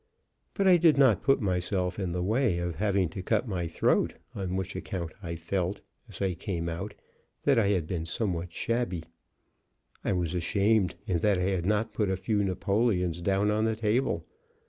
But I did not put myself in the way of having to cut my throat, on which account I felt, as I came out, that I had been somewhat shabby. I was ashamed in that I had not put a few napoleons down on the table.